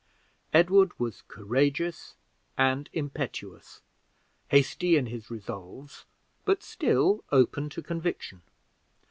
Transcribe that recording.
Edward was courageous and impetuous hasty in his resolves, but still open to conviction.